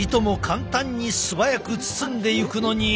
簡単に素早く包んでいくのに。